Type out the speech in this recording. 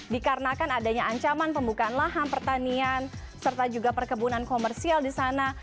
dikarenakan adanya ancaman pembukaan lahan pertanian serta juga perkebunan komersial di sana